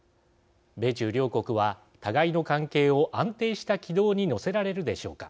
米中両国は、互いの関係を安定した軌道に乗せられるでしょうか。